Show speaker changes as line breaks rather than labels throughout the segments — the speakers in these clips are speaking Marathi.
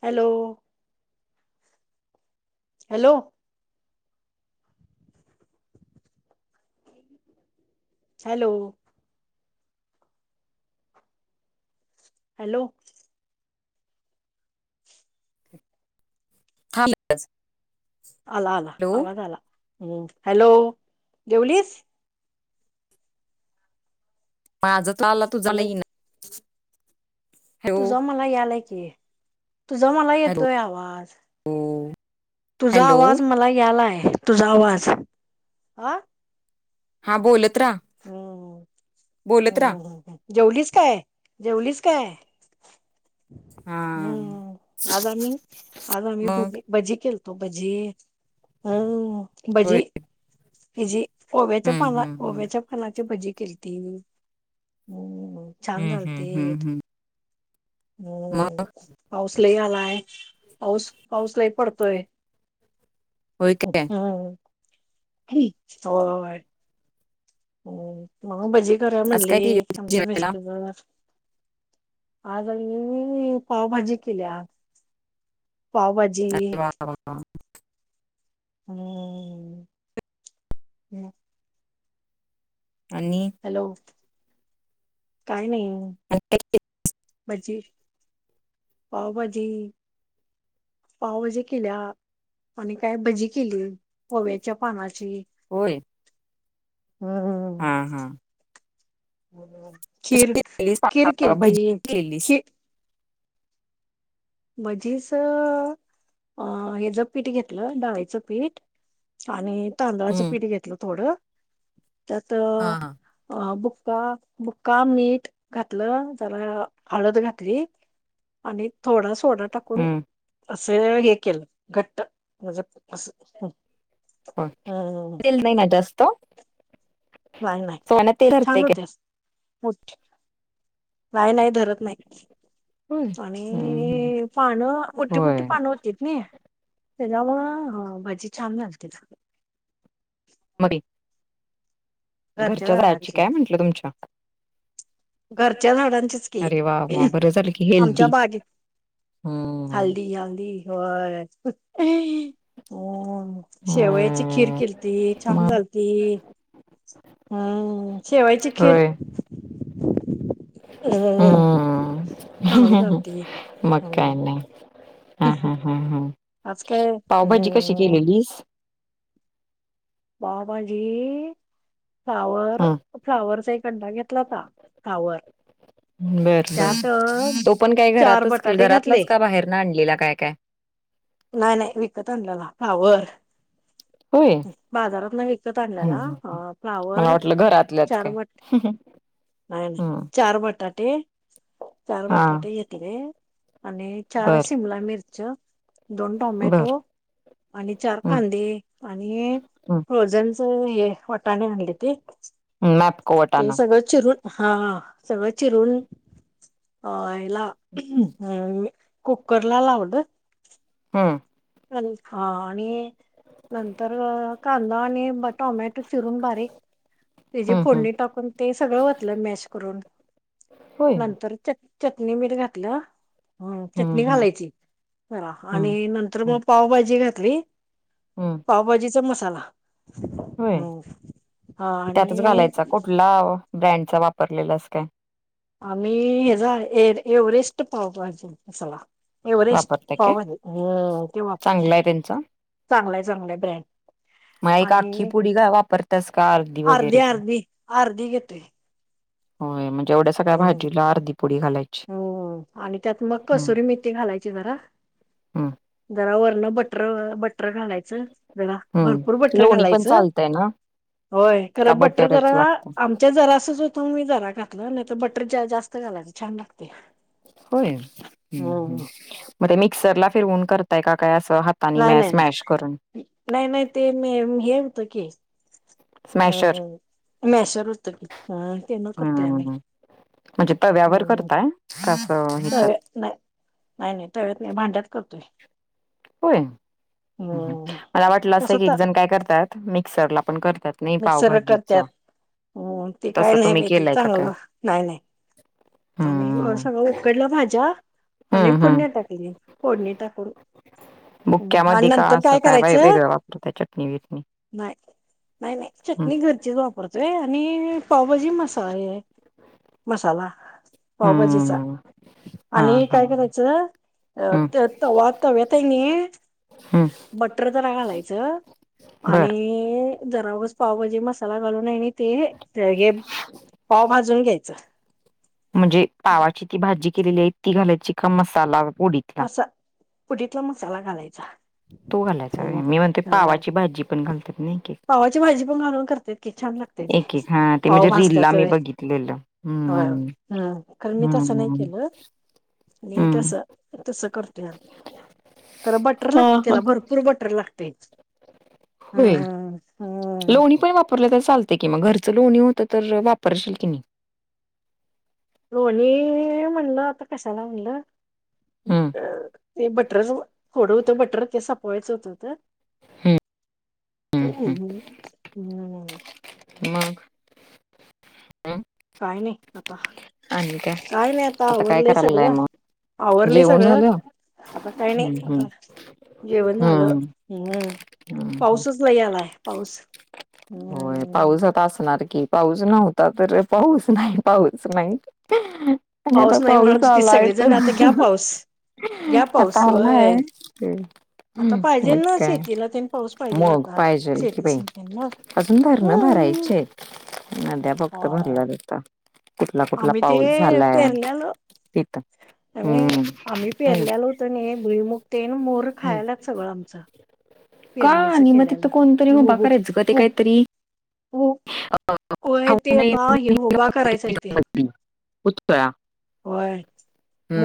हॅलो हॅलो हॅलो हॅलो
हाज
आला आला आवाज आला हम्म हॅलो देेवलीस
म आज त आला तुझला येन
तुझ मला यालाय की तुझा मला
हॅलो
येतोय आवाज तुझा
हॅलो
आवाज मला यालाय तुझा आवाज ह
हा बोलत राहा
हम्म
बोलत राहा
हम् जेवलीच काय जेवलीच काय
हा
हम्म आज आम्ही आज आम्ही
मग
भजी भजी केल त भजी हम्म
होय
बजी कजी ओव्याच्या
हम्म
पाना
हम्म हम्म
ओव्याच्या पानाची भजी केती् छान
हम्म हम्म
चालते
हम्म हम्म
हम्म
मग
पाऊस लही आलाय पाऊस पाऊस लही पडतोय
होय
हम्
काय
हो हो हो भजी करा
आज काय
म्हणली
केली होती
आमचे
जेवायला
मिेस्ट आज मी मी पावभाजी केली आज पावाजेे
वा वा वा
हम् हम्.
आणि
हॅलो. काही नाही.
आणि काय केलं?
भजी, पावभाजी. पावभाजी केल्या आणि काय भजी केली ओ व्याच्या पानाची.
होय.
हम्म
हां. हां.
खीर
केलेलीस
खीर
पा-
केलती.
भजी केलेलीस
खीर म्हजेच अ हेच पीठ घेतलं. डाळीचं पीठ- आणि तांदळाचं
हम्म
पीठ घेतलं थोडं- त्यात
हा हा
अ ब- मुक्का मीठ घातलं त्याला हळद घातली. आणि थोडा सोडा टाकून-
हम्म
अस हे केलं. घट्ट म्हंजे अस-
होय. [unintelligible] सोनतेत
ठ काय नाही धरत नाही
होय हम्म, हम्म.
आणि पानं मोठी मोठी
होय
पानं होती नाही त्याच्यामु भाजी छान घलते
मग घरच्या जाळाची काय म्हंटलं तुमच्या?
घरच्या झाडांचीच की.
अरे वा वा बरं झालं की
आमच्या
हेल्दी.
बागेत -
हम्म.
हलदी हलदी होय. हो. शेवयाची खीर
हम्म
केलती छान
मग
झालती. हम्म. शेवयाची खीर.
होय
अ
हम्म.
चांगली झालती
मग
हम्म
काय नाही. हा हा हा हा
आज काय
पावभाजी कशी
हम्म
केलेलीस?
पावभाजी - फ्लावर
हं
फ्लॉवर एक- कंदा घेतलाता फ्लावर.
बर बर.
त्यात
तो पण काय
चार
घरातच
बटाटे घातले
घरातलाच का बाहेर न आणलेला काय काय?
नाही नाही विकत आणल्याला फ्लॉवर.
होय
बाजारातन विकत-
हम्म
आणलेला
हम्म
आं
मला
फ्लावर
वाटलं घरातल्याच
चार
काय
मट- नाही नाही
हम्म
चार बटाटे. चार
हा
बटाटे घेतले. आणि चार
बर
शिमला मिर्च- दोन
बर
टोमॅटो आणि चार
हम्म
कांदे आणि- प्रोजनस हे वाटाणे आणलीती.
मॅप का वटाना?
हा सगळं चिरून. याला- कुकर ला लावल -
हम्म.
हा आणि- नंतर कांदा आणि टोमॅटो चिरून बारीक- हे जे
हम्म हम्म
फोडणी टाकून ते सगळं वतलं मॅश करून.
होय
नंतर ते - चटणी मीठ घातलं. ह
हम्म
चटणी
हम्म
घालायची हं आणि - तर
हम्म
मग पावभाजी घातली
हम्म
पावभाजीचा मसाला
होय
हम्म हा
त्यातच
आणि
घालायचा कुठला हो. ब्रँडचा वापरलेलास काय?
आम्ही हेजा एर एव्हरेस्ट पाव पाहिजे मसाला. एव्हरेस्ट
वापरताय काय
पावभाजी ते वापरतो
चांगला आहे त्यांचा
चांगल्या चांगल्या ब्रँड
मग एक आख्खी
आणि
पुडी का वापरतास का
अर्धी
वगैरे काय
अर्धी अर्धी घेतोय. [unintelligible]
होय म्हणजे एवढ्या सगळ्या
हम्म
भाजीला अर्धी पुडी घालायची.
हम्म आणि त्यात मग
हम्म
कसुरी मेथी घालायची जरा
हम्म
जरा वरनं बटर बटर घालायचं जरा भरपूर
हम्म
बटर
लोणी पण
घालायचं.
चालतय ना
होय
का
खरं बटर जरा
बटरच लागत
आमच्या जरा असच होतो मी जरा घातलं नाही तर बटर ज जा मस्त घालायचा.
होय ते हम्म हम्म
ह
म ते मिक्सरला फिरवून करताय का का अस
नाही नाही नाही नाही नाही ते मी हे होत की
स्मॅशर
हो मेशर होतय त्याने करतोय आम्ही.
हम्म म्हणजे तव्यावर
हम्म
करताय कसं ह्याच्यात
तव्या नाही नाही नाही तवेत नाही भांड्यात करतोय.
होय
हम्म
मला वाटलं
तस
असं की एक
तर
जण काय करतात मिक्सरला पण कर
मिक्सर करतायत ते काय
तसं
नाही
तुम्ही
भहिती
केलंय का काय?
चांगलं नाही नाही. आम्ही
हम्म
सगळं उकडलं भाज्या आणि
हम्म
पुण्या
हम्म
टाकली फोडणी टाकून आणि
बुक्क्यामध्ये का
नंतर
असं
काय
वे
करायचा
वेगळं वापरता चटणी बिटणी?
नाय. नाही नाही
हम्म
चटणी घरचीच वापरतोय आणि पावभाजी मसाले मसाला पावभाजीचा
हम्म हा
आणि
हा
काय करायचं अ
हम्म
त तवा तव्यात हाय नी
हम्म
बट्टर तर घालायचं आणि
बर
जरावज पावभजी मसाला घालून येणी ते तेगे पाव भाजून घ्यायचं.
म्हणजे पावाची ती भाजी केलेली आहे ती घालायची का मसाला पुडीतला?
पुडितला मसाला घालायचा.
तो घालायचा होय मी म्हणते पावाची भाजी पण घालतात ना एक एक.
पावाची भाजी पण घालून करत्यात की छान लागते ती
एक एक हा ते
पाव
म्हणजे रीलला मी
भजतातय होय.
बघितलेलं
होय.
हम्म
हम्म कारण मी तसं नाय
हम्म
केलं मी
हम्म.
तसं तसं करतोया आ. खर बटर
हा
लागते
हा
त्याला भरपूर बटर लागते. हम्म
होय
हम्म.
लोणी पण वापरल तर चालते कि मग घर च लोणी होत तर वापरशील कि नी?
लोणी म्हणलं आता कशाला म्हणलं?
हम्म
ते बटर जव थोडं होतं बटर ते सपवायचं होतं त.
हम्म
[unintelligible]
मग हम्म.
नाही नाही आता काय नाही आता
काय
आवरलंय
करायलाय
सगळं
मग
आवरलंय
जेवण
सगळं
झालं
आता काही नाही
हम्म
आता
हम्म
जेवण झालं
हम्म
हम्म
हम्म
पाऊसच नाही आलाय पाऊस
होय
हम्म.
पाऊस आता असणाराय की पाऊस नव्हता तर पाऊस नाही पाऊस नाही आणि आता
नाही
पाऊस
म्हणत होती
आला आहे
सगळेजण आता घ्या
तर
पाऊस घ्या
आता
पाऊस
आला आहे
होय.
हे
आता पाहिजेल
मग
ना
काय
शेतीला तेन पाऊस पाहिजेल
मग
आता
पाहिजेल कि
शेती
बाई
सिंचनला
अजून भर ना भार
होय
यायचेयेत नध्या फक्त भरला होता कुठला-कुठला
आम्ही ते पेरल्यालो त्यामुळे
हम्म
आम्ही
हम्म
पेरल्याल होत ना भुईमुगते ना मोहर
हम्म
खायला सगळं आमचं
का
पेरणीच
नी मग तिथथं
केल्यालं
कोणतरी
ते
उभा करायचं ग ते काहीतरी
हो होय
खाऊ
ते
नये
आता हे उभा करायेच तेे
पुतळा
होय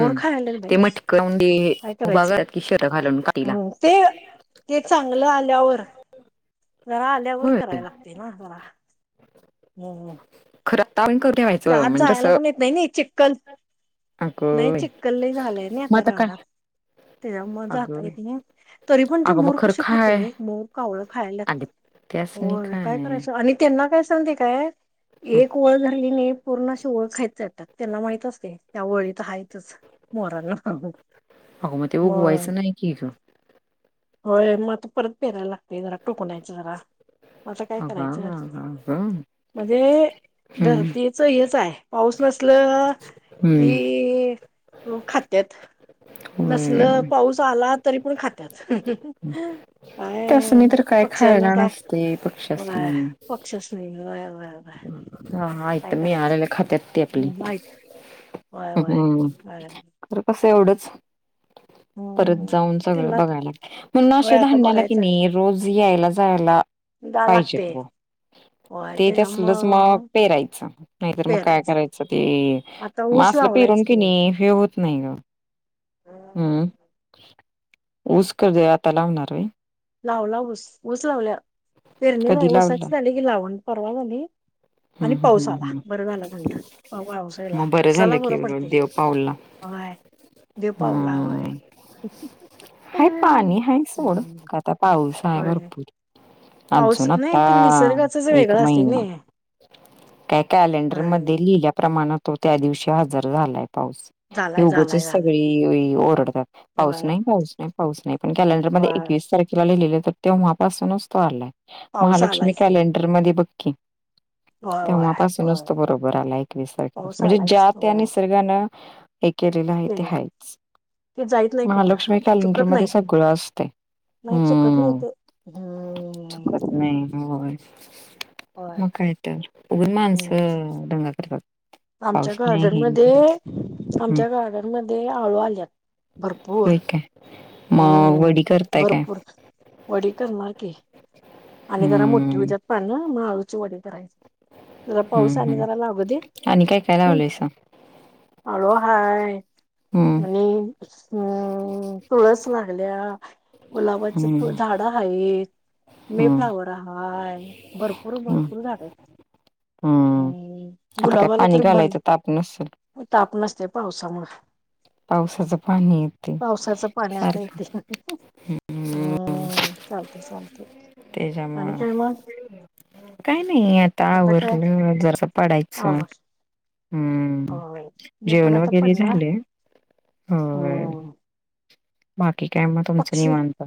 मोर खायेलेत
ते
बाई
मटक लावून ते
काय
उभा
करायचं
करतात की शर्ट घालून काठीला
ह ते ते चांगलं आल्यावर जरा आलयावर
होय
कराया लागतेना मला खरायला ना जरा हम्म
खरं आता आपण करून
ते
ठेवायचं
आत
म्हणजे
जायला
असं
पण येत नाही ना चिकक्कल
अगं
नाही
बाई
चिकक झालेय नाही
मग
आता
काय?
रानात त्याच्या मग
अगं
जाताय
बाई
तरी पण ते
अगं मग
मोर
खरं
कसे खात
काय
एक मोर कावळ खायला लागते
अगं
हो
त्यासनी
काय करायचं आणि त्यांना काय साधीक तर
हं,
एक ओळ धरली नाही पूर्ण अशी ओळ खायचात त्यात त्यांना माहित असतेये त्या वळीत हयतच मोरांना
अगं मग ते उगवायचं नाही की ईथ
होय मग आता परत पेरायला लागतोय जरा टोकनायच जरा असतां काय
अगं
करायचं
अगं अगं अगं
म्हणजे धर
हम्म
च हेच आहे पाऊस नसल
हम्म
की खात्यात नसल
होय
पाऊस आलात तरी पण खात पाये
त्यासनी तर काय
पक्ष्यांना
खायला
काय
नसतंय
वय
पक्ष्यासनी
पक्षच नाही वय वय त बा
आहाा त मी आलेला खात्यात तेपली
हम्म, माहित व्हय व्हय
हम्म
व्हय
तर कसं एवढंच परत
हम्म
जाऊन सगळं
त्यांना
बघायला म्हण असे
व्हय आता
धांडण्याला की नाही रोज यायला जायला
द लागते
पाहिजेत बुवा
व्हय
ते तर सलच मग
त्याच्यामुळं
पेरायचं नाहीतर मग काय
पेरायचं
करायचं ते
आता
म
ऊस
म भिरून
लावलायच
की नाही हे हो नाही ग हम् ऊसकर ज आता लावणार र
लावला ऊस ऊस लावल्या फिरणी
कधी
नाही
लावला
साच झाली की लावण परवाग नाही [inaudible] आणि
हम्म हम्म
पावसाला
हम्म
बरं झालं म्हज पावसाळला
मग झालं
उसाला
की
बरं
उलट
पडते
देव पावला
होय देपावला वय
हम्म हाय पाणी हाय सोड आता पाऊस आहे भरपूर
पाऊस
अजून
नाही
आता
ते निसर्गाच जे
एक
वेगळं असते ना
महिना काही
होय
कॅलेंडरमध्ये लिहिल्या प्रमाणातून त्या दिवशी हजर झालाय पास
झालाय
उगचच
झालाय झालाय
सगळी ओरडतात पाऊस
होय
नाही पाऊस नाही पाऊस नाही पणल्यानंतर
होय
एकस तारखेला लिहि तर तेव्हापासूनच तो आलाय
पाऊस
महालक्ष्मी
आलायच ते
कॅलेंडर मध्ये बघकी
होय होय
तेव्हापासूनच
होय
त बरोबर आला एकवीस
पाऊस
तारखेपासून म्हणजे
आलायच
ज्या त्या
होय
निसर्गाानं हे केलेलं आहे ते हायच
ते जाईत नाही कुठं
महालक्ष्मी कॅलेंडर
चुकत
मध्ये
नाही
सगळं असते
नाही चुकत नाही
हम्म
ते
च
हम्म
नाही हो
होय
मग काय तर उघून
हम्म
माणसं रंग करतात
आमच्या
पाऊस नाही
गार्डन
हे
मध्ये
नाही हम्म
आमच्या गार्डन मध्ये आळू आल्यात भरपूर
होय काय? मग
हम्म
वडी करताय काय?
भरपूर वडी करणार की आणि जरा मोठी
हम्म,
उज्यात पान मग आळूची वडी करायची जरा पाऊस
हम्म
आणि
हम्म
जरा लागू दे
आणि काय काय लावलंयस
काय आणि अ तुळस लागल्या गुलाबाचे
हम्म,
फ झाड आहेत मे
हम्म,
फ्लावर हाय भरपूर
हम्म,
भरपूर झाड
हम्म. आता काय
गुलाबाला
पाणी
भर
घालायचं ताप नसेल.
ताप नसते पावसामुळे
पावसाचं पाणी येते
पावसाचं पाण्यातता
सारखं
येते. हम्म चा
तेज म्ह काय नाही आता आवरलं जरस पडायचं.
आवाज
हम्म
होय मी पण
जेवण
आता
वगैरे
पडणार
झाले हो.
हम्म
बाकी काय म तुमचं नाही माणत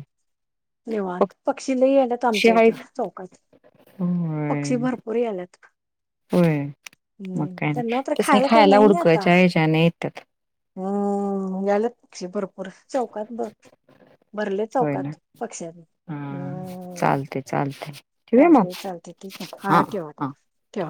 निव पक्षीलाही येण्यात आमच्या इथं
आहेत.
चौकात
होय,
पक्षी भरपूर आल्यात.
होय. मग
हम्म
काय
त्यांना
नाही.
तर
त्यासनी
खायला काही नाही ना आता
हुडकायच्या ह्याच्याने येतात.
हम्म याला पक्षी भरपूर चौकात बघ भरले
होय ना.
चौकात हम्.
हा. चालतंय चालतंय. ठेवूया मग?
चालते चालते ठीक आहे हा ठेवा ठेवा ठेवा.